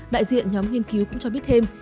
đại diện nhóm nghiên cứu cũng cho biết thêm